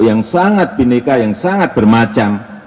yang sangat bineka yang sangat bermacam